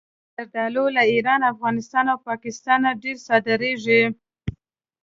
زردالو له ایران، افغانستان او پاکستانه ډېره صادرېږي.